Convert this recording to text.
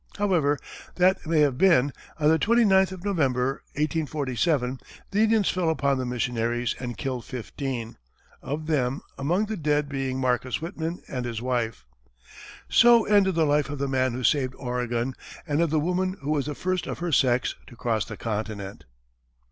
However that may have been, on the twenty ninth of November, 1847, the Indians fell upon the missionaries and killed fifteen, of them, among the dead being Marcus Whitman and his wife. So ended the life of the man who saved Oregon, and of the woman who was the first of her sex to cross the continent.